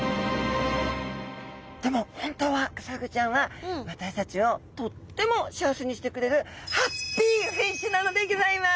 でも私たちをとっても幸せにしてくれるハッピーフィッシュなのでギョざいます！